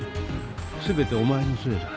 全てお前のせいだ。